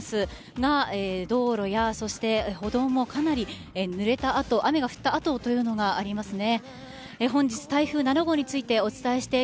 が、道路や歩道もかなりぬれた後雨が降った跡というのがありますね。